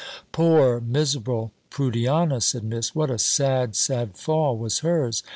"Poor, miserable Prudiana!" said Miss "What a sad, sad fall was hers.